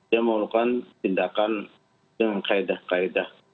yang melakukan tindakan dengan kaedah kaedah